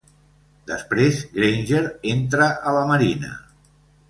Després Granger entra a la marina.